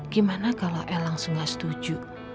gimana kalau el langsung gak setuju